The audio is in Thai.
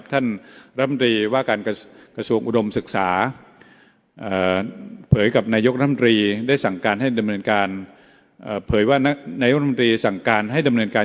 ท่านรำดีว่าการกระทรวงอุดมศึกษาเผยกับนายกรรมดีได้สั่งการให้ดำเนินการ